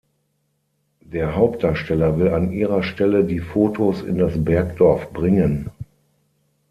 Der Hauptdarsteller will an ihrer Stelle die Fotos in das Bergdorf bringen.